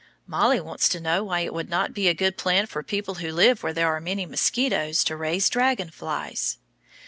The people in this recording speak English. Mollie wants to know why it would not be a good plan for people who live where there are many mosquitoes to raise dragon flies?